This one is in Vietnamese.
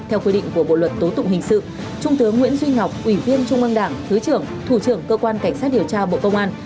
theo quy định của bộ luật tố tụng hình sự trung tướng nguyễn duy ngọc ủy viên trung ương đảng thứ trưởng thủ trưởng cơ quan cảnh sát điều tra bộ công an